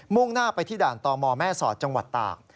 ่งหน้าไปที่ด่านตมแม่สอดจังหวัดตาก